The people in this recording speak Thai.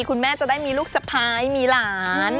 คุณแม่จะได้มีลูกสะพ้ายมีหลาน